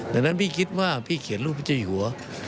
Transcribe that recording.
ดังนั้นพี่คิดว่าพี่เขียนรูปพระเจ้าอยู่หัว